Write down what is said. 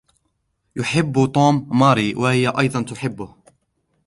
يحب "توم" "ماري" و هي أيضا تحبه